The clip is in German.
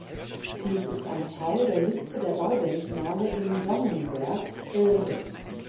Dies ist ein Teil der Liste der Baudenkmale in Dannenberg (Elbe).